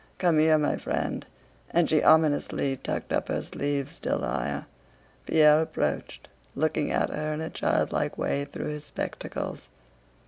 "Come here, my friend..." and she ominously tucked up her sleeves still higher. Pierre approached, looking at her in a childlike way through his spectacles.